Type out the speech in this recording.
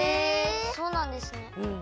そうなんですね。